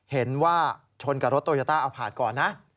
เห็นว่าชนกับรถโตโยต้าเอาผ่านก่อนนะ